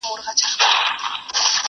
کورنۍ لا هم ټوټه ټوټه ده